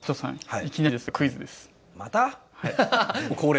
はい。